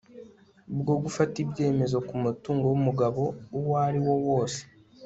bwo gufata ibyemezo ku mutungo w'umugabo uwo ariwo wose